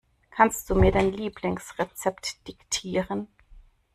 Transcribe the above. Kannst du mir dein Lieblingsrezept diktieren?